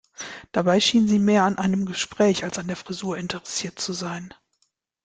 Dabei schien sie mehr an einem Gespräch als an der Frisur interessiert zu sein.